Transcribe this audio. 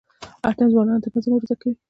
اتڼ ځوانانو ته نظم ور زده کوي.